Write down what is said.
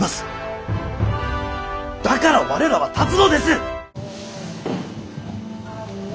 だから我らは立つのです！